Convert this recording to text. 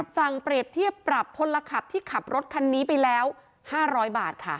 เปรียบเทียบปรับพลขับที่ขับรถคันนี้ไปแล้ว๕๐๐บาทค่ะ